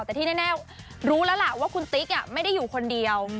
แต่ที่แน่รู้แล้วล่ะว่าคุณติ๊กไม่ได้อยู่คนเดียว